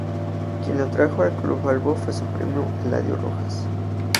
Quien lo trajo a club albo fue su primo Eladio Rojas.